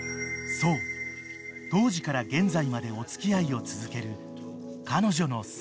［そう当時から現在までお付き合いを続ける］